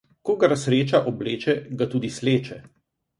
Kogar sreča obleče, ga tudi sleče.